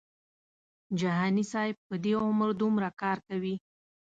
جهاني صاحب په دې عمر دومره کار کوي.